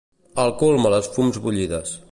Al cul me les fums bullides.